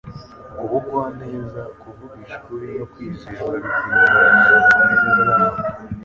Ubugwaneza, kuvugisha ukuri, no kwizerwa bikwiye kugaragarira mu mibereho yabo